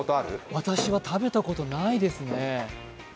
私は食べたことないですね。